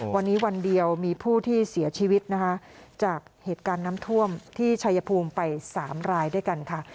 วันนี้วันเดียวมีผู้ที่เสียชีวิตนะคะจากเหตุการณ์น้ำท่วมที่ชัยภูมิไป๓รายด้วยกันค่ะ